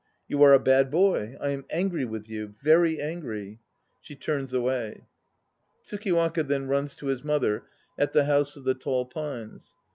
You are a bad boy. I am angry with you, very angry! (She turns away.) TSUKIWAKA then runs to his mother at the House of the Tall Pines.